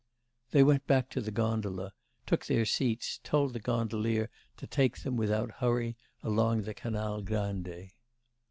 They went back to the gondola, took their seats, told the gondolier to take them without hurry along the Canal Grande.